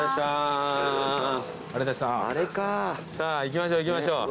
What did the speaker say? さぁ行きましょう行きましょう。